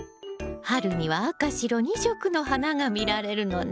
春には赤白２色の花が見られるのね。